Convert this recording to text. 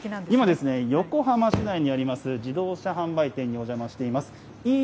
今ですね、横浜市内にあります自動車販売店にお邪魔しています。